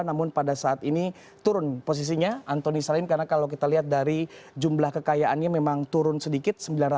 namun pada saat ini turun posisinya anthony salim karena kalau kita lihat dari jumlah kekayaannya memang turun sedikit